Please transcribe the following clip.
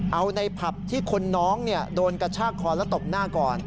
เอาในผับที่คนน้องโดนกระชากคอและตบหน้าก่อน